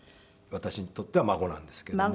私にとっては孫なんですけども。